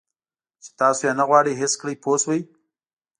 چې تاسو یې نه غواړئ حس کړئ پوه شوې!.